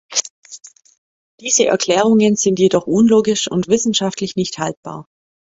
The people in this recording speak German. Diese Erklärungen sind jedoch unlogisch und wissenschaftlich nicht haltbar.